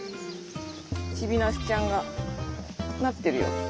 チビナスちゃんがなってるよ。